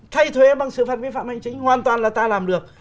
thay thuế bằng xử phạt vi phạm hành chính hoàn toàn là ta làm được